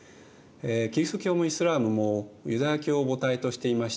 キリスト教もイスラームもユダヤ教を母体としていました。